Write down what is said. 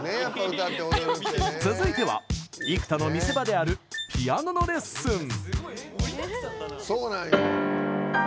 続いては生田の見せ場であるピアノのレッスン。